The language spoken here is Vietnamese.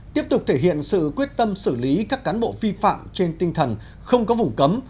tiếp tục thể hiện sự quyết tâm xử lý các cán bộ vi phạm trên tinh thần không có vùng cấm